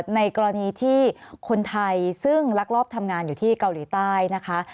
ในกรณีที่คนไทยซึ่งลักลอบทำงานอยู่ที่เกาหลีใต้นะคะ